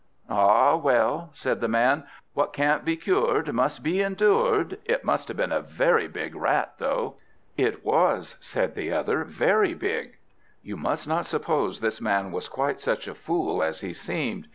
"Ah well," said the man, "what can't be cured must be endured! It must have been a very big rat, though." "It was," said the other, "very big." You must not suppose this man was quite such a fool as he seemed.